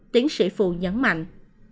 tiến sĩ phụ nhấn mạnh